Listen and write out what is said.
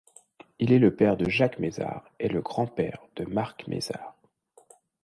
Il est le père de Jacques Mézard et le grand-père de Marc Mézard.